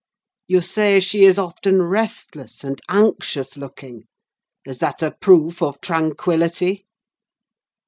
You say she is often restless, and anxious looking: is that a proof of tranquillity?